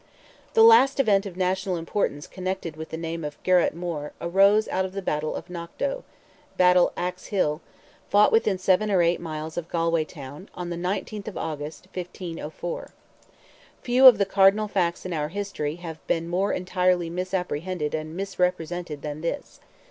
The last event of national importance connected with the name of Geroit More arose out of the battle of KNOCK DOE, ("battle axe hill"), fought within seven or eight miles of Galway town, on the 19th of August, 1504. Few of the cardinal facts in our history have been more entirely misapprehended and misrepresented than this.